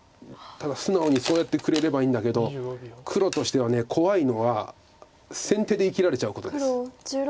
ただ素直にそうやってくれればいいんだけど黒としては怖いのは先手で生きられちゃうことです。